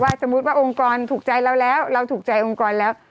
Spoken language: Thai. สมมุติว่าองค์กรถูกใจเราแล้วเราถูกใจองค์กรแล้ว